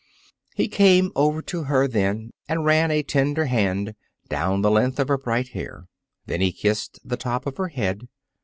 He came over to her then and ran a tender hand down the length of her bright hair. Then he kissed the top of her head.